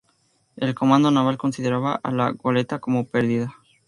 El Comando Naval consideraba a la goleta como perdida.